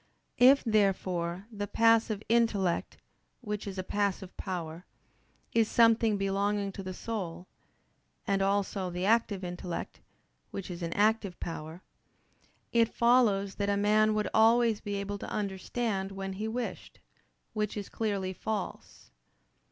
If, therefore, the passive intellect, which is a passive power, is something belonging to the soul; and also the active intellect, which is an active power: it follows that a man would always be able to understand when he wished, which is clearly false.